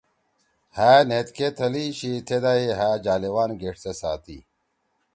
ہأ نھید کے تھلی شی تھیدا ئی ہأ جالیوان گیݜتے ساتی۔“